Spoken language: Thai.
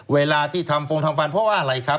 เวลาที่ทำฟงทำฟันเพราะว่าอะไรครับ